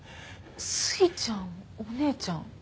すいちゃんお姉ちゃん